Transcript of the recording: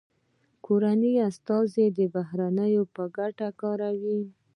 کورني استازي د بهرنیانو په ګټه کار کوي